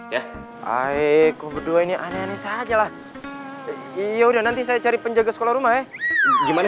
ya ae kubur dua ini aneh aneh sajalah iya udah nanti saya cari penjaga sekolah rumah ya gimana